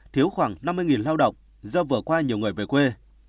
thiếu khoảng năm mươi lao động do vừa qua nhiều người về quê